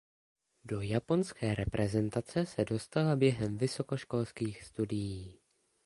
Do japonské reprezentace se dostala během vysokoškolských studií.